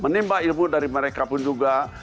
menimba ilmu dari mereka pun juga